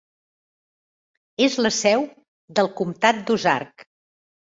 És la seu del comtat d'Ozark.